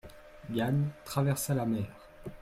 Yann traversa la mer.